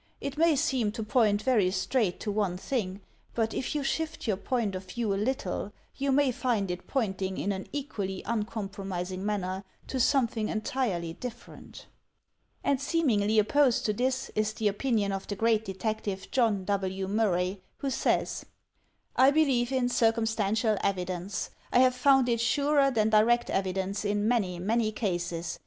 "It may seem to point very straight to one thing, but if you shift your own point of view a little, you may find it pointing in an equally uncompromising manner to something entirely different." And seemingly opposed to this, is the opinion of the great detective John W. Murray, who says: "I believe in circumstantial evidence. I have found it surer than direct evidence in many, many cases.